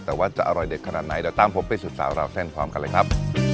แต่ว่าจะอร่อยเด็ดขนาดไหนเดี๋ยวตามผมไปสืบสาวราวเส้นพร้อมกันเลยครับ